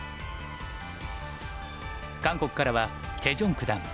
韓国からはチェ・ジョン九段。